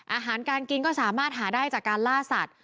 อาหารการกินก็สามารถหาได้จากการล่าสัตว